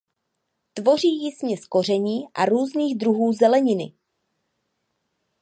Tvoří ji směs koření a různých druhů zeleniny.